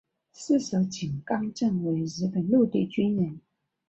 四手井纲正为日本陆军军人。